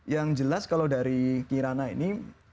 yang jelas kalau dari kirana ini